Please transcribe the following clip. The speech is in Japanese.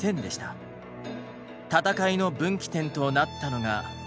戦いの分岐点となったのが。